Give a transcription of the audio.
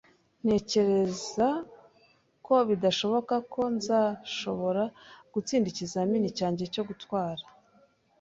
Ntekereza ko bidashoboka ko nzashobora gutsinda ikizamini cyanjye cyo gutwara